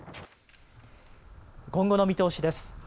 今後の見通しです。